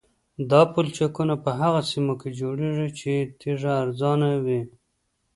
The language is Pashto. دا پلچکونه په هغه سیمو کې جوړیږي چې تیږه ارزانه وي